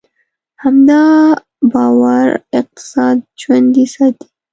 همدا باور اقتصاد ژوندی ساتي.